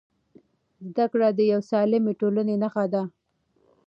زده کړه د یوې سالمې ټولنې نښه ده.